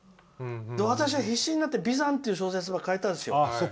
私は必死になって「眉山」っていう小説ば書いたですよ。